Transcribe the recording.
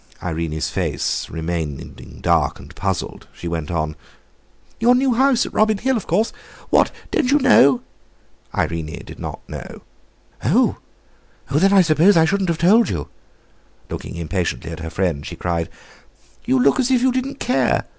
Irene's face remaining dark and puzzled, she went on: "Your new house at Robin Hill, of course. What? Don't you know?" Irene did not know. "Oh! then, I suppose I oughtn't to have told you!" Looking impatiently at her friend, she cried: "You look as if you didn't care.